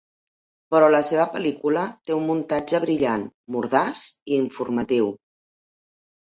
Però la seva pel.lícula té un muntatge brillant, mordaç i informatiu.